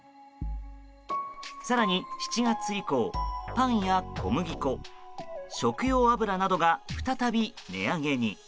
更に７月以降、パンや小麦粉食用油などが再び値上げに。